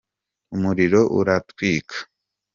umuriro uratwika